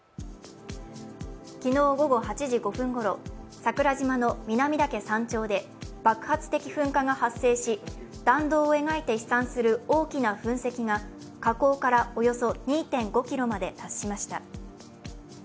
昨日午後８時５分ごろ桜島の南岳山頂で爆発的噴火が発生し弾道を描いて飛散する大きな噴石が火口からおよそ２．５ｋｍまで達しました。